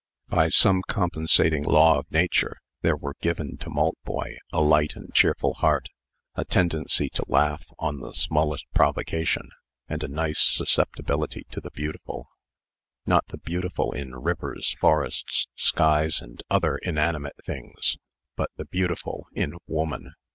By some compensating law of Nature, there were given to Maltboy a light and cheerful heart, a tendency to laugh on the smallest provocation, and a nice susceptibility to the beautiful. Not the beautiful in rivers, forests, skies, and other inanimate things, but the beautiful in woman.